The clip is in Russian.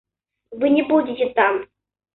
Вы не будете там?